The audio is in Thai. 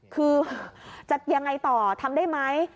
คือจะยังไงต่อทำได้ไหม